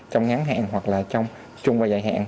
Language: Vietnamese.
trong ngắn hạn hoặc là trong chung và dài hạn